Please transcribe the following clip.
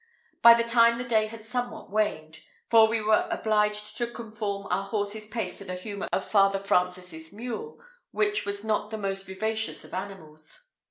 By this time the day had somewhat waned, for we were obliged to conform our horses' pace to the humour of Father Francis' mule, which was not the most vivacious of animals.